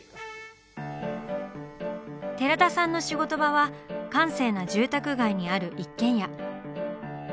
寺田さんの仕事場は閑静な住宅街にある一軒家。